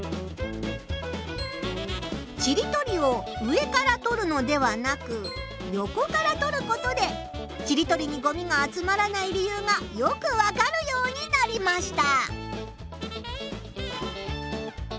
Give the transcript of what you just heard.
ちりとりを上からとるのではなく横からとることでちりとりにごみが集まらない理由がよくわかるようになりました！